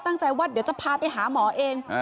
ตั้งใจว่าเดี๋ยวจะพาไปหาหมอเอง